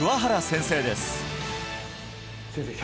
先生